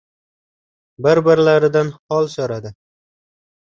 Bir-birlaridan hol so‘radi.